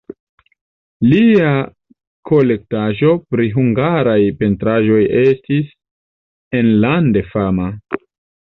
Lia kolektaĵo pri hungaraj pentraĵoj estis enlande fama.